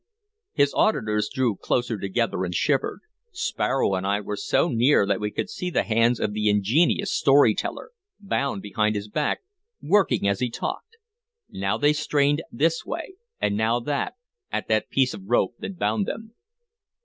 His auditors drew closer together, and shivered. Sparrow and I were so near that we could see the hands of the ingenious story teller, bound behind his back, working as he talked. Now they strained this way, and now that, at the piece of rope that bound them.